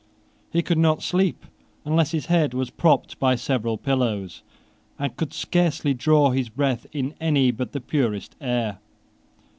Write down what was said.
He could not sleep unless his head was propped by several pillows, and could scarcely draw his breath in any but the purest air.